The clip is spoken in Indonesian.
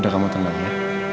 udah kamu tenang ya